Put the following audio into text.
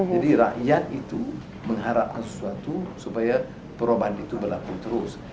jadi rakyat itu mengharapkan sesuatu supaya perubahan itu berlaku terus